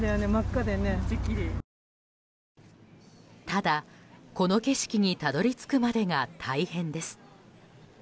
ただ、この景色にたどり着くまでが大変です。